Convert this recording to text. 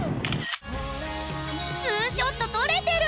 ２ショット撮れてる！